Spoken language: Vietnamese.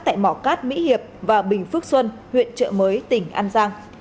tại mỏ cát mỹ hiệp và bình phước xuân huyện trợ mới tỉnh an giang